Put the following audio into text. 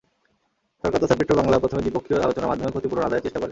সরকার তথা পেট্রোবাংলা প্রথমে দ্বিপক্ষীয় আলোচনার মাধ্যমে ক্ষতিপূরণ আদায়ের চেষ্টা করে।